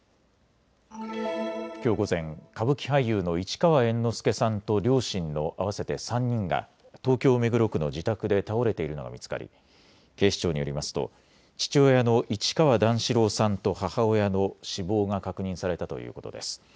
きょう午前、歌舞伎俳優の市川猿之助さんと両親の合わせて３人が東京目黒区の自宅で倒れているのが見つかり警視庁によりますと父親の市川段四郎さんと母親の死亡が確認されたということです。